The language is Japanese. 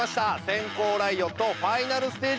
閃光ライオットファイナルステージ！